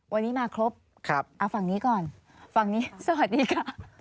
วันนี้มาครบเอาฝั่งนี้ก่อนฝั่งนี้สวัสดีค่ะ